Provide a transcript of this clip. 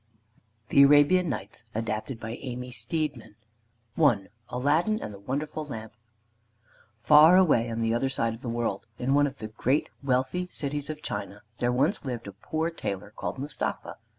THE ARABIAN NIGHTS ADAPTED BY AMY STEEDMAN I ALADDIN AND THE WONDERFUL LAMP Far away on the other side of the world, in one of the great wealthy cities of China, there once lived a poor tailor called Mustapha.